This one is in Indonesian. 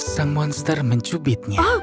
sang monster mencubitnya